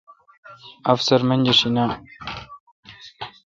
افسر منجر شی نان۔